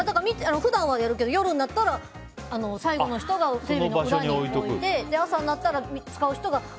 普段はやるけど夜になったら最後の人がテレビの裏に置いて朝になったら使う人が。